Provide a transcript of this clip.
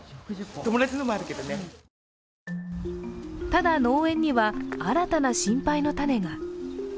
ただ、農園には新たな心配の種が。